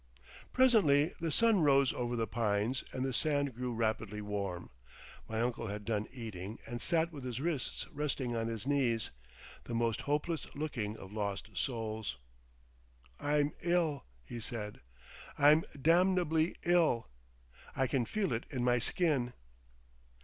Presently the sun rose over the pines, and the sand grew rapidly warm. My uncle had done eating, and sat with his wrists resting on his knees, the most hopeless looking of lost souls. "I'm ill," he said, "I'm damnably ill! I can feel it in my skin!"